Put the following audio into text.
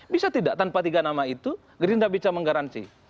bisa tidak tanpa tiga nama itu gerindra bisa menggaransi